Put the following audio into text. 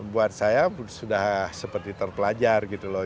buat saya sudah seperti terpelajar gitu loh